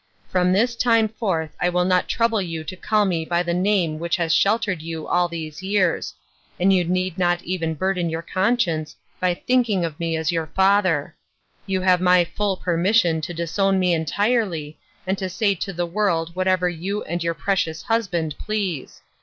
From this time forth I will not trouble you to call me by the name which has sheltered you all these years, and you need not even burden your conscience by thinking of me as your father; you have my full permission to disown me entirely, and to say to the world whatever you and your precious husband please.